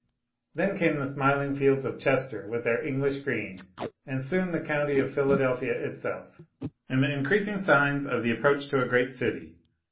Then came the smiling fields of Chester, with their English green, and soon the county of Philadelphia itself, and the increasing signs of the approach to a great city.